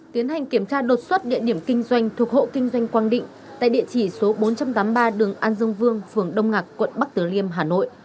tiến hành kiểm tra đột xuất địa điểm kinh doanh thuộc hộ kinh doanh quang định tại địa chỉ số bốn trăm tám mươi ba đường an dương vương phường đông ngạc quận bắc tử liêm hà nội